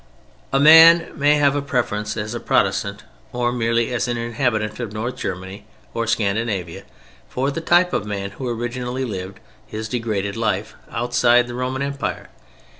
A man may have a preference, as a Protestant or merely as an inhabitant of North Germany or Scandinavia, for the type of man who originally lived his degraded life outside the Roman Empire.